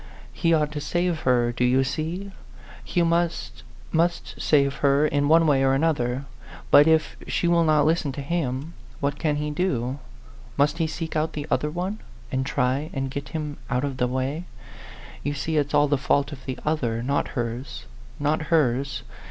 He ought to save her, do you see ? He must, must save her in one way or another. But if she will not listen to him, what can he do? Must he seek out the other one, and try and get him out of the way ? You see it's all the fault of the other not hers, not hers.